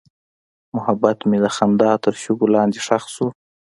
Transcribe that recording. محبت مې د خندا تر شګو لاندې ښخ شو.